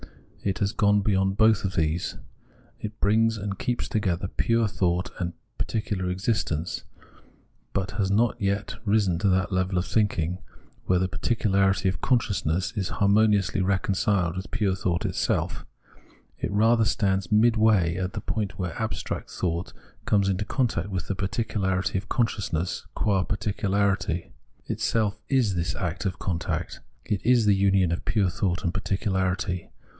It has gone beyond both of these ; it brings and keeps together pure thought and particular existence, but has not yet risen to that level of thinking where the particularity of consciousness is harmoniously reconciled with pure thought itself. It rather stands midway, at the point where abstract thought comes in contact with the particularity of consciousness qua The Unhappy Consciousness 207 particularity. Itself is this act of contact ; it is the union of pure thought and particularity.